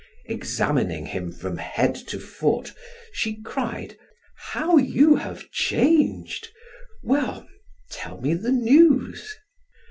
Examining him from head to foot, she cried: "How you have changed! Well; tell me the news."